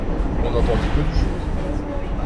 On entendit peu de choses.